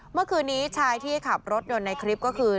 เมื่อคืนนี้ชายที่ขับรถยนต์ในคลิปก็คือ